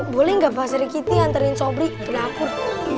boleh gak pak sirikiti anterin sobri ke dapur